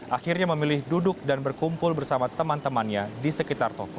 akhirnya memilih duduk dan berkumpul bersama teman temannya di sekitar toko